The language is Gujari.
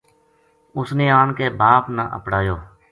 اس نے آن کے باپ نا اپڑایو